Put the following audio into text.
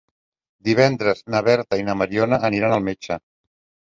Divendres na Berta i na Mariona aniran al metge.